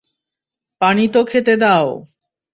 পানি তো খেতে দাও।